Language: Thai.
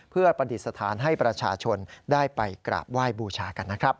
เพื่อประดิษฐานให้ประชาชนได้ไปกราบไหว้บูชากันนะครับ